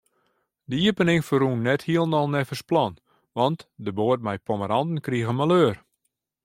De iepening ferrûn net hielendal neffens plan, want de boat mei pommeranten krige maleur.